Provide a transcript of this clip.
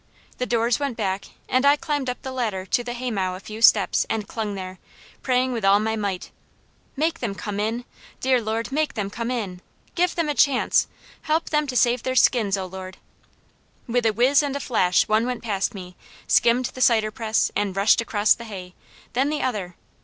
The doors went back, and I climbed up the ladder to the haymow a few steps and clung there, praying with all my might: "Make them come in! Dear Lord, make them come in! Give them a chance! Help them to save their skins, O Lord!" With a whizz and a flash one went past me, skimmed the cider press, and rushed across the hay; then the other.